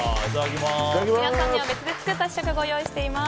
皆様には別で作った試食をご用意しております。